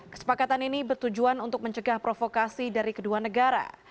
kesepakatan ini bertujuan untuk mencegah provokasi dari kedua negara